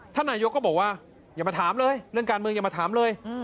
นายกก็บอกว่าอย่ามาถามเลยเรื่องการเมืองอย่ามาถามเลย